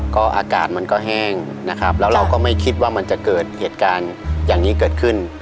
ก็อากาศมันก็แห้งนะครับแล้วเราก็ไม่คิดว่ามันจะเกิดเหตุการณ์อย่างนี้เกิดขึ้น